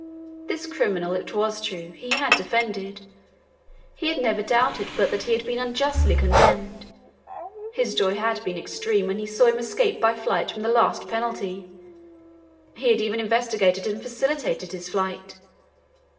This criminal, it was true, he had defended; he had never doubted but that he had been unjustly condemned; his joy had been extreme when he saw him escape by flight from the last penalty; he had even instigated and facilitated his flight!